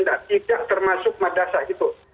tidak termasuk madrasah itu